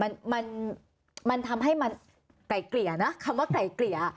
มันมันทำให้มันไกลเกลี่ยนะคำว่าไกลเกลี่ย